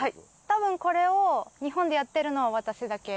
多分これを日本でやってるのは私だけ。